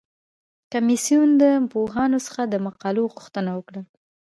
کمیسیون د پوهانو څخه د مقالو غوښتنه وکړه.